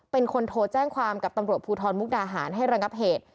เป็นคนโทรแจ้งความกับตำรวจภูทรมุกดาหารให้ระงับเหตุ